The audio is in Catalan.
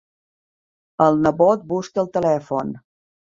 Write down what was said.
El nebot busca el telèfon.